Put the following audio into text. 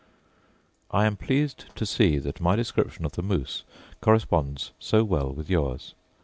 I am pleased to see that my description of the moose corresponds so well with yours.